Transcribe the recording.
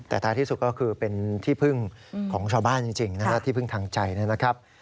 แต่ท้ายที่สุดก็คือเป็นที่พึ่งของชาวบ้านจริงนะฮะที่พึ่งทางใจนะครับ